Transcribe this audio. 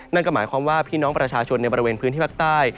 นั่นก็หมายความว่าพี่น้องประชาชนในบริเวณพื้นที่ภาคใต้